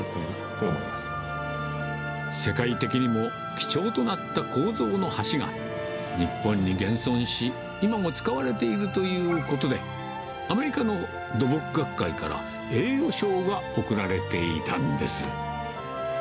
世界的にも貴重となった構造の橋が、日本に現存し、今も使われているということで、アメリカの土木学会から栄誉賞が贈られていたんです。